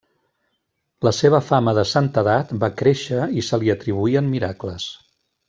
La seva fama de santedat va créixer i se li atribuïen miracles.